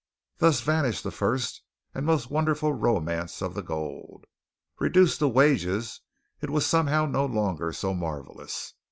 Thus vanished the first and most wonderful romance of the gold. Reduced to wages it was somehow no longer so marvellous.